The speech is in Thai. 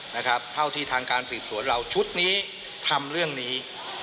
นะครับเท่าที่ทางการสืบสวนเราชุดนี้ทำเรื่องนี้